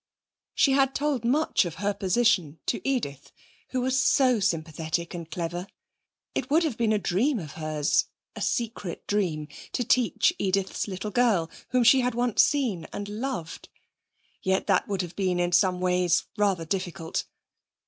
She had told much of her position to Edith, who was so sympathetic and clever. It would have been a dream of hers, a secret dream, to teach Edith's little girl, whom she had once seen, and loved. Yet that would have been in some ways rather difficult.